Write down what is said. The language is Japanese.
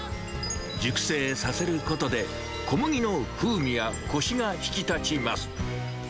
熟成させることで、小麦の風味やこしが引き立ちます。